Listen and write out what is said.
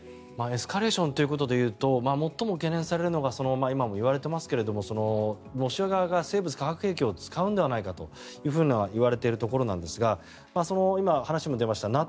エスカレーションということで言うと最も懸念されるのが今も言われていますがロシア側が生物・化学兵器を使うんではないかといわれているところなんですが今、話にも出ました